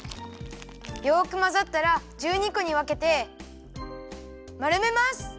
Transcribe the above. よくまざったら１２こにわけてまるめます。